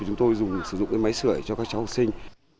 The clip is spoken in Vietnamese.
chúng tôi sử dụng máy sửa cho các trẻ học sinh